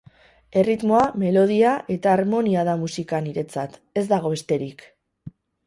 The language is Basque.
Erritmoa, melodia eta harmonia da musika niretzat, ez dago besterik.